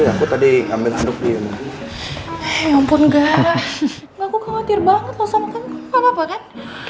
aku tadi ambil handuk dia ya ampun enggak aku khawatir banget sama kamu apa kan